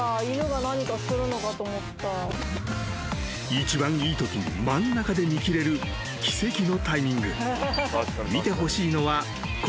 ［一番いいときに真ん中で見切れる奇跡のタイミング］